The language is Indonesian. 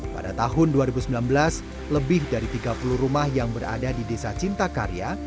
pada tahun dua ribu sembilan belas lebih dari tiga puluh rumah yang berada di desa cintakarya